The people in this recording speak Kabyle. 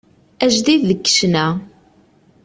Ajdid deg ccna.